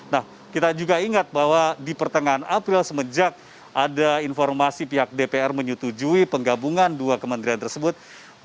nah kita juga ingat bahwa di pertengahan april semenjak ada informasi pihak dpr menyetujui penggabungan dua kementerian tersebut